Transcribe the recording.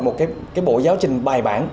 một cái bộ giáo trình bài bản